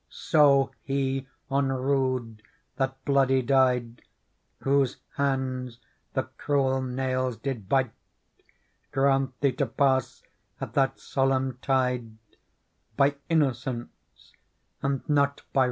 So He on rood that bloody died. Whose hands the cruel nails did bite. Grant thee to pass at that solemn tide By innocence, and not by right